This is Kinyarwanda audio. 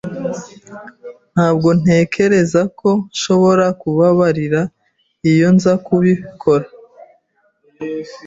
Ntabwo ntekereza ko nshobora kubabarira iyo nza kubikora.